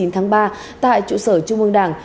hai mươi chín tháng ba tại trụ sở trung ương đảng